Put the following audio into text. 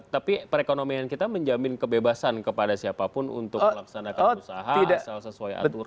tapi perekonomian kita menjamin kebebasan kepada siapapun untuk melaksanakan usaha asal sesuai aturan